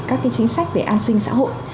các chính sách về an sinh xã hội